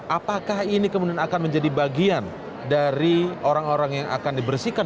apakah ini kemudian akan menjadi bagian dari orang orang yang akan dibersihkan